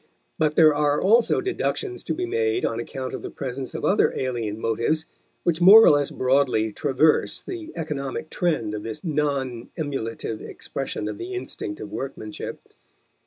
But there are also deductions to be made on account of the presence of other alien motives which more or less broadly traverse the economic trend of this non emulative expression of the instinct of workmanship.